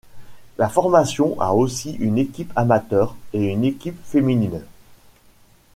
La formation a aussi une équipe amateur et une équipe féminine.